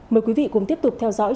mời quý vị cùng tiếp tục theo dõi